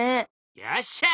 よっしゃ！